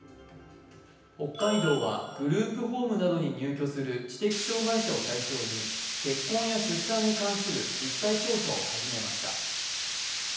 北海道はグループホームなどに入居する知的障害者を対象に結婚や出産に関する実態調査を始めました。